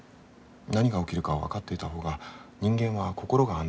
何が起きるかが分かっていた方が人間は心が安定する。